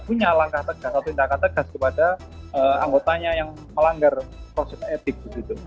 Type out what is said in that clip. punya langkah tegas atau tindakan tegas kepada anggotanya yang melanggar proses etik